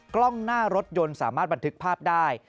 กล้องหน้ารถยนต์สามารถบันทึกภาพได้